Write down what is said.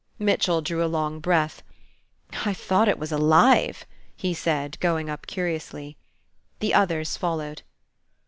Mitchell drew a long breath. "I thought it was alive," he said, going up curiously. The others followed.